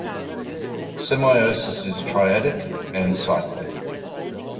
Semiosis is triadic and cyclic.